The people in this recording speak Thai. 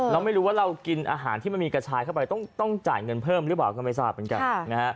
เราไม่รู้ว่าเรากินอาหารที่มันมีกระชายเข้าไปต้องจ่ายเงินเพิ่มหรือเปล่าก็ไม่ทราบเหมือนกัน